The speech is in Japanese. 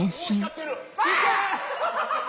ハハハハ！